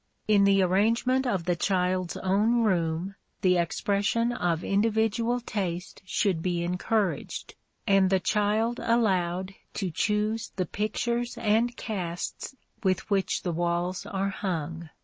In the arrangement of the child's own room the expression of individual taste should be encouraged and the child allowed to choose the pictures and casts with which the walls are hung.